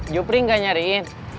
jupri gak nyariin